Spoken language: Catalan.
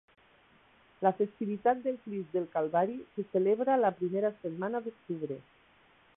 La festivitat del Crist del Calvari se celebra la primera setmana d'octubre.